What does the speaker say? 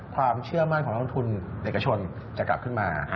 ความเชื่อมั่นของนักลงทุนเอกชนจะกลับขึ้นมา